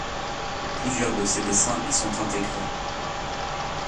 Plusieurs de ses dessins y sont intégrés.